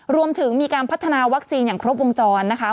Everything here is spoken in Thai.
รวมถึงมีการพัฒนาวัคซีนอย่างครบวงจรนะคะ